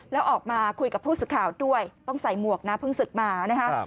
แล้วออกมาคุยกับผู้สื่อข่าวด้วยต้องใส่หมวกนะเพิ่งศึกมานะครับ